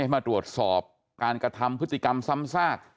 มาตรวจสอบการกระทำพฤติกรรมซ้ำซาก